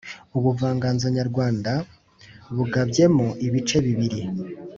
Ubuvanganzo nyarwanda bugabyemo ibice bibir